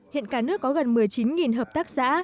hiện cả nước có gần một mươi chín hợp tác xã